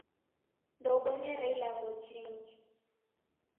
Ndoubonyere ilagho jingi.